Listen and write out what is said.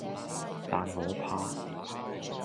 但我怕